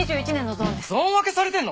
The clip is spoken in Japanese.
ゾーン分けされてんの！？